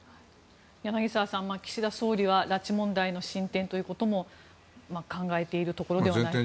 柳澤さん、岸田総理は拉致問題の進展ということも考えているところではないでしょうか。